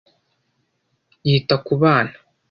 yita ku bana